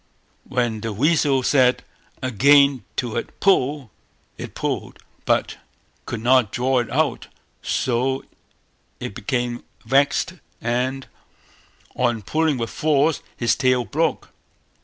When the weasel said again to it "Pull", it pulled, but could not draw it out; so it became vexed, and on pulling with force, its tail broke.